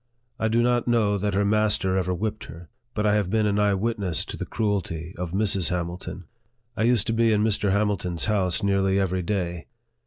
I do not know that her master ever whipped her, but I have been an eye witness to the cruelty of Mrs. Hamilton. I used to be in Mr. Hamilton's house nearly every day.